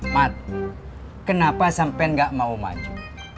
mat kenapa sampai gak mau maju